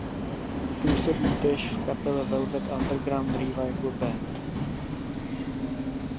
Působí též v kapele "Velvet Underground Revival Band".